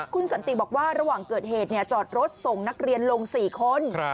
คุณสันติบอกว่าระหว่างเกิดเหตุจอดรถส่งนักเรียนลง๔คน